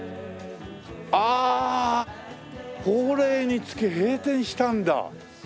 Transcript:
ああ高齢につき閉店したんだ。